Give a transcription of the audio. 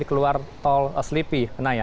dikeluar tol sleepy naya